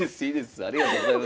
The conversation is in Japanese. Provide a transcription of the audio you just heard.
ありがとうございます。